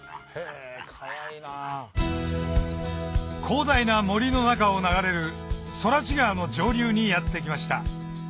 広大な森の中を流れる空知川の上流にやって来ました